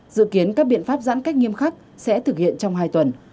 dự kiến các biện pháp giãn cách nghiêm khắc sẽ thực hiện trong hai tuần